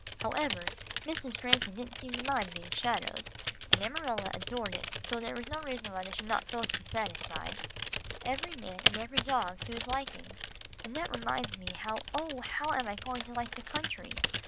However, Mrs. Granton didn't seem to mind being shadowed, and Amarilla adored doing it, so there was no reason why they should not both be satisfied. Every man and every dog to his liking, and that reminds me, how, oh! how am I going to like the country?